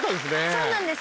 そうなんです